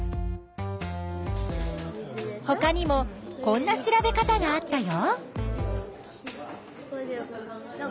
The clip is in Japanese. ほかにもこんな調べ方があったよ。